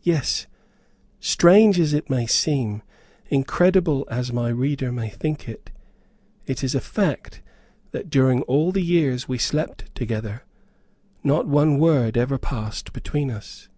Yes, strange as it may seem, incredible as my reader may think it, it is a fact, that during all the years we slept together, not one word ever passed between us.